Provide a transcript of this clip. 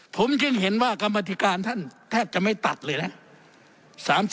ผมจึงเห็นว่ากรรมธิการท่านแทบจะไม่ตัดเลยนะ